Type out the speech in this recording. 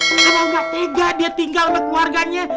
karena nggak tega dia tinggal sama keluarganya